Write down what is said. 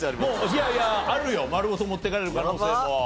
いやいやあるよ丸ごと持っていかれる可能性も。